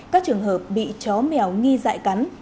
các trường hợp bị chó mèo nghi dạy cắn